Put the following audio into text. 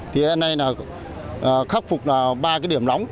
thì hiện nay khắc phục ba cái điểm lóng